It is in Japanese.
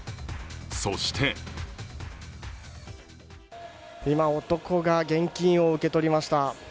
そして今、男が現金を受け取りました。